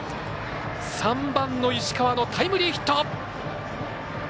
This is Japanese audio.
３番の石川のタイムリーヒット。